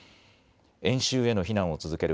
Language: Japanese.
演習への非難を続ける